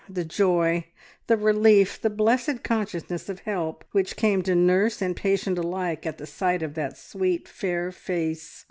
the joy, the relief, the blessed consciousness of help, which came to nurse and patient alike at the sight of that sweet, fair face!